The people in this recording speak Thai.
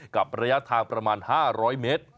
กับระยะทางประมาณ๕๐๐เมตร